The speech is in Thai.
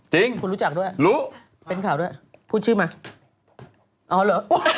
จริงรู้เป็นข่าวด้วยพูดชื่อมาอ๋อเหรอ